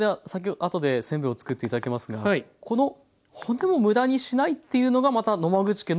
あとでせんべいをつくって頂きますがこの骨もむだにしないっていうのがまた野間口家のルールなんですよね。